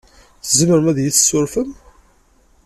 Tzemrem ad iyi-tessurfem?